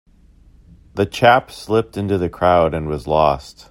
The chap slipped into the crowd and was lost.